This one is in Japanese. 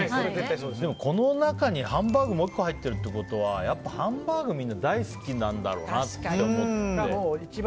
でも、この中にハンバーグがもう１個入ってるってことはやっぱハンバーグみんな大好きなんだろうなと思って。